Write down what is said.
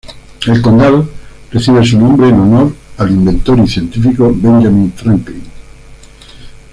El condado recibe su nombre en honor al inventor y científico Benjamin Franklin.